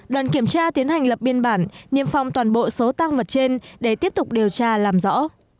đoàn kiểm tra tiến hành lập biên bản niêm phong toàn bộ số tăng vật trên để tiếp tục điều tra làm rõ